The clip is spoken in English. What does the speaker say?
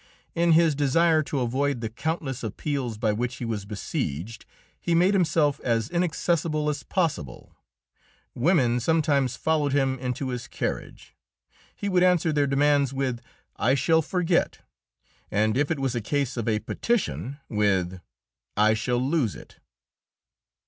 In his desire to avoid the countless appeals by which he was besieged, he made himself as inaccessible as possible. Women sometimes followed him into his carriage. He would answer their demands with "I shall forget," and if it was a case of a petition with "I shall lose it."